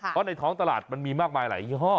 เพราะในท้องตลาดมันมีมากมายหลายยี่ห้อ